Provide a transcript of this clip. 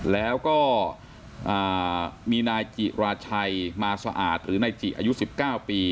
แล้วก็มีนายจิราชัยมาสะอาดหรือนายจิอายุ๑๙ปี